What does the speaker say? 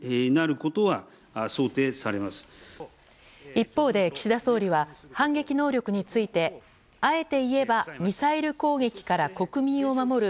一方で岸田総理は反撃能力についてあえて言えばミサイル攻撃から国民を守る